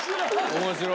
面白い。